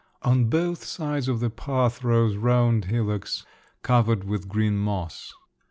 On both sides of the path rose round hillocks covered with green moss.